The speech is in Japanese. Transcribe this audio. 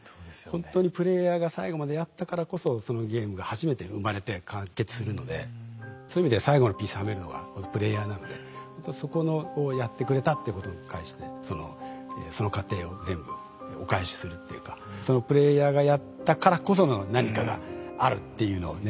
ほんとにプレイヤーが最後までやったからこそそのゲームが初めて生まれて完結するのでそういう意味ではそこをやってくれたってことに対してその過程を全部お返しするっていうかそのプレイヤーがやったからこその何かがあるっていうのをね